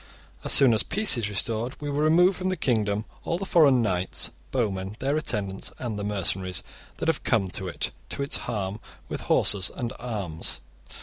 * As soon as peace is restored, we will remove from the kingdom all the foreign knights, bowmen, their attendants, and the mercenaries that have come to it, to its harm, with horses and arms.